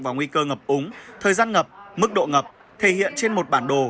và nguy cơ ngập úng thời gian ngập mức độ ngập thể hiện trên một bản đồ